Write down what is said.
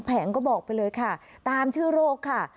แงก็บอกไปเลยค่ะตามชื่อโรคค่ะ